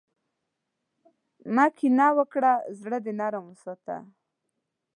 مه کینه وکړه، زړۀ دې نرم وساته.